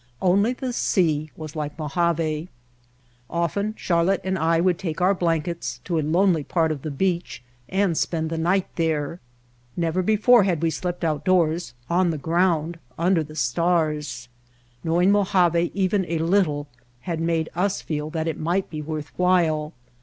Only the sea was like Mojave. Often Charlotte and I would take our blankets to a lonely part of the beach and spend the night there. Never before had we slept outdoors, on the ground under the stars. Knowing Mojave even a little had made us feel that it might be worth while.